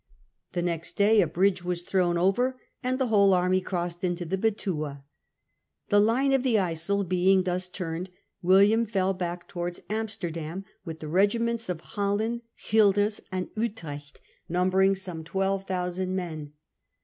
The next day a bridge was thrown over and the whole army crossed into the Betuwe. The line of the Yssel being thus turned, William fell back towards Amsterdam, with the regiments of Holland, Guelders, and Utrecht, numbering some 12,000 men.